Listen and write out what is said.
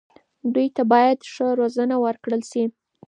دوی ته باید ښه روزنه ورکړل شي.